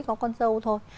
có con dâu thôi